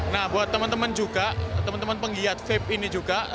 nah buat teman teman juga teman teman penggiat vape ini juga